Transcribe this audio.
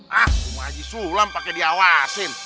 hah rumah si sulam pake diawasin